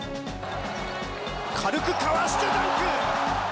軽くかわしてダンク。